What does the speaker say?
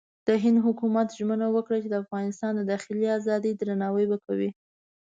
د هند حکومت ژمنه وکړه چې د افغانستان د داخلي ازادۍ درناوی به کوي.